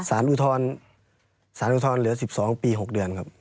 สารอุทธรรมเหลือ๑๒ปี๖เดือนครับ